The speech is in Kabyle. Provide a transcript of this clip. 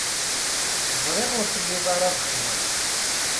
Ẓriɣ ur telliḍ ara bxiṛ.